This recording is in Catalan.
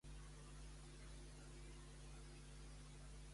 De qui va ser muller?